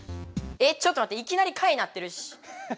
えっちょっとまっていきなり貝なってるし。